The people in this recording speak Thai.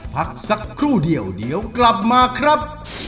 พักสักครู่เดียวเดี๋ยวกลับมาครับ